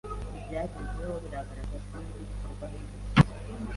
Ibyagezweho bigaragazwa n’ibikorwa remezo.